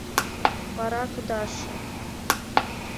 Вара кудаше.